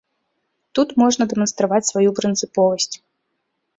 Тут можна дэманстраваць сваю прынцыповасць.